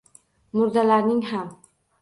Murdalarning ham.